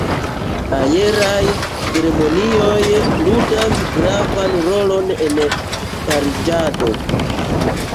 Aeraj ceremonioj ludas gravan rolon en pariĝado.